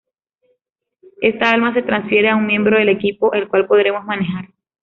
Esta alma se transfiere a un miembro del equipo, el cual podremos manejar.